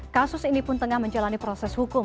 kasus ini pun tengah menjalani proses hukum